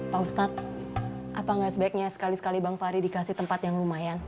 pak ustadz apa enggak sebaiknya sekali sekali bang fahri dikasih tempat yang lumayan